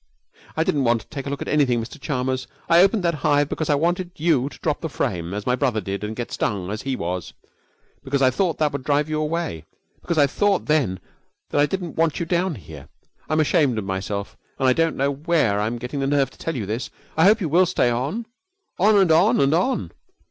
'I didn't want to take a look at anything, Mr Chalmers. I opened that hive because I wanted you to drop the frame, as my brother did, and get stung, as he was; because I thought that would drive you away, because I thought then that I didn't want you down here. I'm ashamed of myself, and I don't know where I'm getting the nerve to tell you this. I hope you will stay on on and on and on.'